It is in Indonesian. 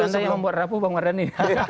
anda yang membuat rapuh bang mardhani